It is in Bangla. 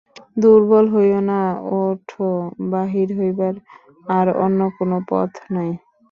দুর্বল হইও না, ওঠ, বাহির হইবার আর অন্য কোন পথ নাই।